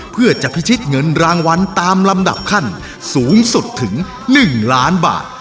เพื่อจะพิชิตเงินรางวัลตามลำดับขั้นสูงสุดถึง๑ล้านบาท